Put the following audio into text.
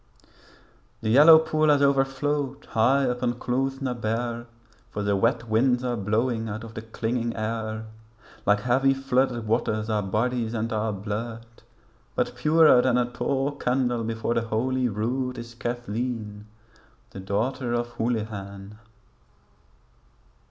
The yellow pool has overflowed high up on Clooth na Bare, For the wet winds are blowing out of the clinging air; Like heavy flooded waters our bodies and our blood; But purer than a tall candle before the Holy Rood Is Cathleen the daughter of Houlihan.